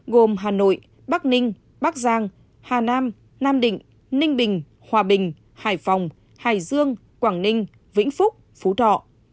gồm hà nội bắc ninh bắc giang hà nam nam định ninh bình hòa bình hải phòng hải dương quảng ninh vĩnh phúc phú thọ